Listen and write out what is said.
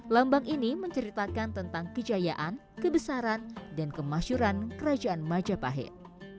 lambang ini menceritakan tentang kejayaan kebesaran dan kemasyuran kerajaan majapahit